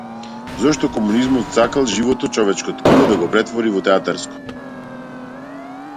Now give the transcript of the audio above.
Зошто комунизмот сакал живото, човечко ткиво да го претвори во театарско?